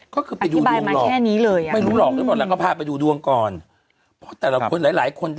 ก็คือไปดูดวงหรอกไม่รู้หรอกแล้วก็พาไปดูดวงก่อนเพราะแต่ละคนหลายคน